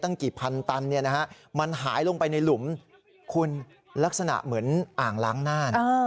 ตั้งกี่พันตันเนี่ยนะฮะมันหายลงไปในหลุมคุณลักษณะเหมือนอ่างล้างน่าน